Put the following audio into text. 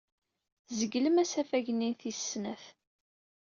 Tzeglem asafag-nni n tis snat.